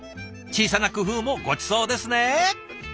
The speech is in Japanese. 小さな工夫もごちそうですね！